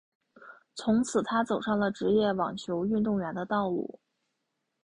从此她走上了职业网球运动员的道路。